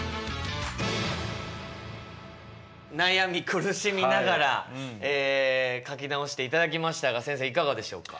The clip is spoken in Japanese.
悩み苦しみながら書き直していただきましたが先生いかがでしょうか？